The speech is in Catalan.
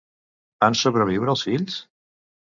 Van sobreviure els fills?